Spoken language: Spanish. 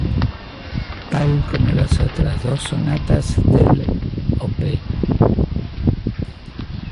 Tal como las otras dos sonatas del Op.